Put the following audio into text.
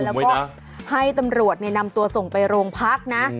แล้วก็ให้ตำรวจนำตัวส่งไปโรงพักนะ